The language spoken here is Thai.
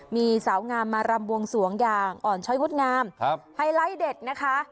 มีสาวงามมารำบวงสวงอย่างอ่อนช้อยงดงามไฮไลท์เด็ดนะคะ